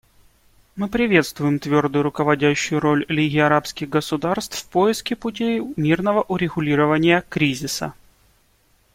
Мы приветствуем твердую руководящую роль Лиги арабских государств в поиске путей мирного урегулирования кризиса.